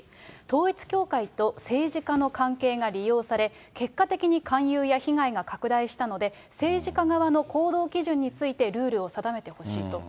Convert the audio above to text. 統一教会と政治家の関係が利用され、結果的に勧誘や被害が拡大したので、政治家側の行動基準について、ルールを定めてほしいと。